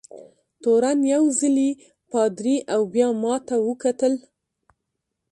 تورن یو ځلي پادري او بیا ما ته وکتل.